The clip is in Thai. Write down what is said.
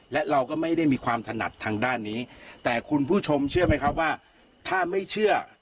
และเราก็ไม่ได้มีความถนัดทางด้านนี้แต่คุณผู้ชมเชื่อไหมครับว่าถ้าไม่เชื่อ